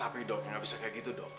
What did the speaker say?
tapi dokter gak bisa kayak gitu dokter